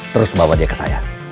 terus bawa dia ke saya